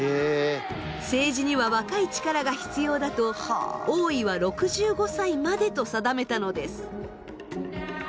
政治には若い力が必要だと王位は６５歳までと定めたのです。